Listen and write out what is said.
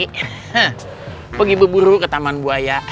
he he pergi berburu ke taman buaya